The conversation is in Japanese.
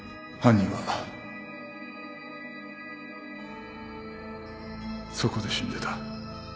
犯人はそこで死んでた。